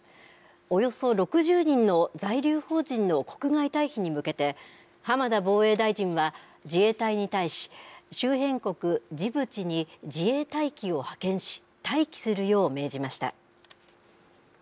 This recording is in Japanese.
およそ６０人の在留邦人の国外退避に向けて浜田防衛大臣は自衛隊に対し周辺国、ジブチに自衛隊機を派遣し待機するよう命じました。